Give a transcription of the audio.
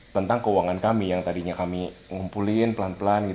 tentang keuangan kami yang tadinya kami ngumpulin pelan pelan